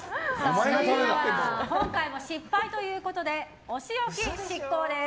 今回も失敗ということでお仕置き執行です。